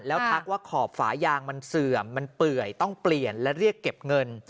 แล้วทักว่าขอบฝายางมันเสื่อมมันเปื่อยต้องเปลี่ยนและเรียกเก็บเงิน